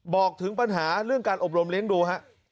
บอกถึงปัญหาเรื่องการอบรมเลี้ยงดูฮะ